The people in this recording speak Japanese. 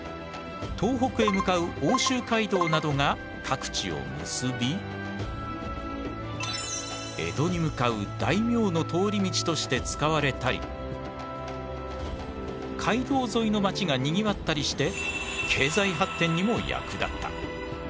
東北へ向かう奥州街道などが各地を結び江戸に向かう大名の通り道として使われたり街道沿いの町がにぎわったりして経済発展にも役立った。